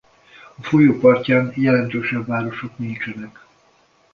A folyó partján jelentősebb városok nincsenek.